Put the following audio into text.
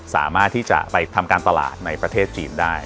สามารถที่จะไปทำการตลาดในประเทศจีนได้